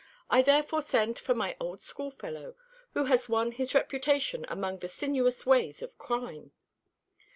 I therefore send for my old schoolfellow, who has won his reputation among the sinuous ways of crime."